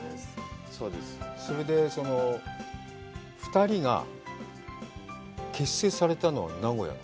それで、２人が結成されたというのは名古屋？